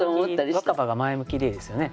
「若葉」が前向きでいいですよね。